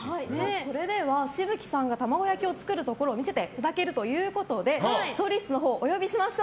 それでは紫吹さんが卵焼きを作るところを見せていただけるということで調理室のほうをお呼びしましょう。